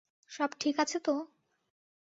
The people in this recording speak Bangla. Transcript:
সব ঠিক আছে তো?